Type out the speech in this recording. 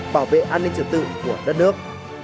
bảo vệ an ninh trường tự của đất nước